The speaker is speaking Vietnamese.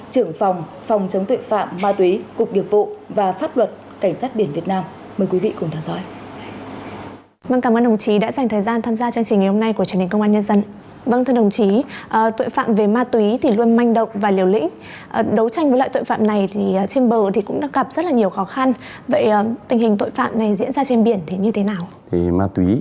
trưởng phòng phòng chống tội phạm ma túy cục nghiệp vụ và pháp luật cảnh sát biển việt nam